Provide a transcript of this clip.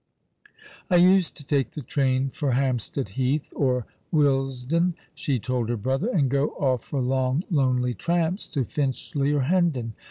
"I used to take the train for Hampstead Heath or "Willesden," she told her brother, "and go off for long, lonely tramps to Finchley or Hendon.